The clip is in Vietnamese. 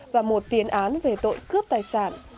và một tiền án về tội cướp tài sản